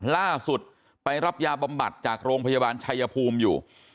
ล่าสุดไปรับยาบำบัดจากโรงพยาบาลชายภูมิอยู่